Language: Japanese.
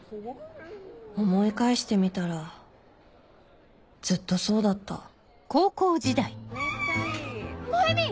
思い返してみたらずっとそうだった萌美！